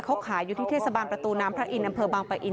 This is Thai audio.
เขาขายอยู่ที่เทศบาลประตูน้ำพระอินทร์อำเภอบางปะอิน